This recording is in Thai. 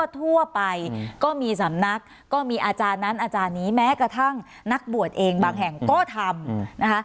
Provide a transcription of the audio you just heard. ทั่วไปก็มีสำนักก็มีอาจารย์นั้นอาจารย์นี้แม้กระทั่งนักบวชเองบางแห่งก็ทำนะคะ